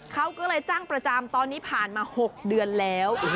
เขาก็เลยจ้างประจำตอนนี้ผ่านมา๖เดือนแล้ว